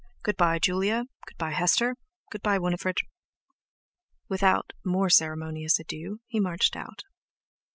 Good bye, Julia; good bye, Hester; good bye, Winifred." Without more ceremonious adieux, he marched out.